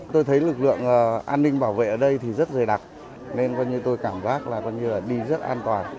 tôi thấy lực lượng an ninh bảo vệ ở đây thì rất dày đặc nên tôi cảm giác là đi rất an toàn